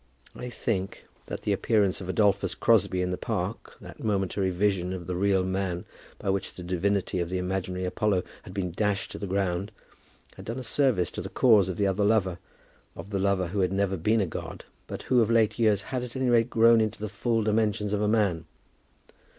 I think that the appearance of Adolphus Crosbie in the park, that momentary vision of the real man by which the divinity of the imaginary Apollo had been dashed to the ground, had done a service to the cause of the other lover; of the lover who had never been a god, but who of late years had at any rate grown into the full dimensions of a man.